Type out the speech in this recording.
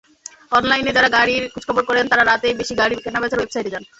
অনলাইনে যাঁরা গাড়ির খোঁজখবর করেন তাঁরা রাতেই বেশি গাড়ি কেনাবেচার ওয়েবসাইটে যান।